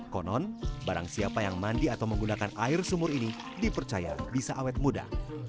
konon barang siapa yang mandi atau menggunakan air sumur ini dipercaya bisa awet muda